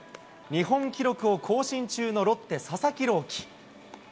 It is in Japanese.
日本記録を更新中のロッテ、佐々木朗希。